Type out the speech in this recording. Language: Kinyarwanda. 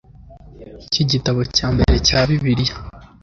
cy'igitabo cya mbere cya bibiliya